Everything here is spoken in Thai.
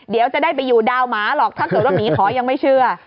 เดี๋ยวจะได้ไปอยู่ดาวหมาหรอกถ้าเกิดว่าหมีขอยังไม่เชื่อ